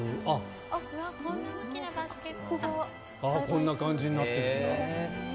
こんな感じになってるんだ。